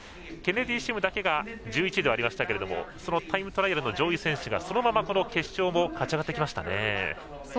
ケネディシムだけが１１位ではありましたけれどもタイムトライアルの上位選手がそのまま決勝に勝ち上がってきましたね。